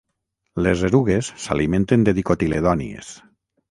Les erugues s'alimenten de dicotiledònies.